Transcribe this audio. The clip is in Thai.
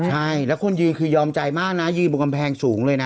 ใช่แล้วคนยืนคือยอมใจมากนะยืนบนกำแพงสูงเลยนะ